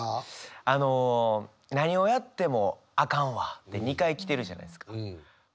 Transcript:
あの「なにをやってもあかんわ」って２回来てるじゃないですか。